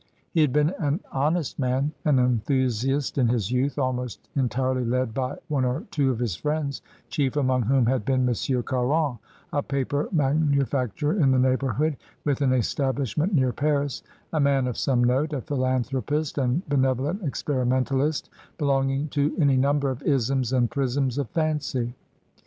He had been an honest man, an enthusiast in his youth, almost en tirely led by one or two of his friends, chief among whom had been Monsieur Caron, a paper manufac turer in the neighbourhood, with an establishment near Paris, a man of some note, a philanthropist and benevolent experimentalist, belonging to any number of isms and prisms of fancy.